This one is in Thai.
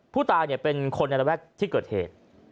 ผู้ตายเป็นคนในระแวกที่เกิดเหตุ